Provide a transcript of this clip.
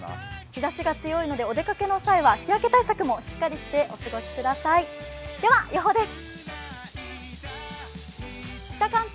日ざしが強いのでお出かけの際は日焼け対策もしっかりしてお過ごしください、では予報です。